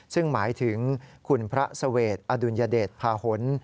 ซึ่งหมายถึงคุณพระเสวทอดุลยเดชพาหน